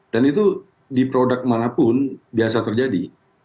dan itu di produk manapun biasa terjadi